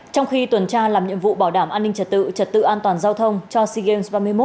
trong khi tuần tra làm nhiệm vụ bảo đảm an ninh trật tự trật tự an toàn giao thông cho sea games ba mươi một